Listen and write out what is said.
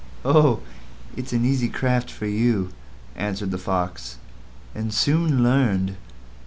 "Oh! It's an easy craft for you", answered the Fox, "and soon learned.